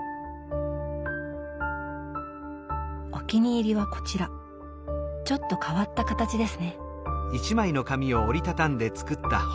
お気に入りはこちらちょっと変わった形ですね。